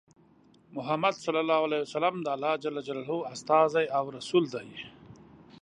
محمد ص د الله ج استازی او رسول دی.